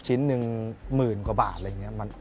ชิ้นหนึ่งหมื่นกว่าบาท